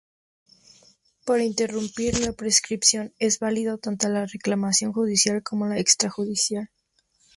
Para interrumpir la prescripción es válida tanto la reclamación judicial como la extrajudicial.